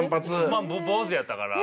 坊主やったから。